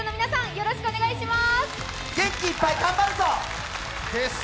よろしくお願いします。